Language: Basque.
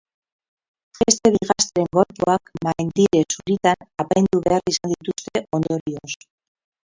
Beste bi gazteren gorpuak maindire zuritan apaindu behar izan dituzte ondorioz.